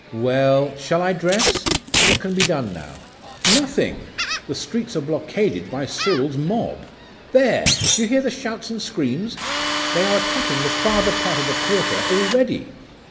'Well: shall I dress? What can be done now?' 'Nothing! The streets are blockaded by Cyril's mob There! do you hear the shouts and screams? They are attacking the farther part of the quarter already.